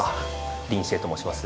林士平と申します。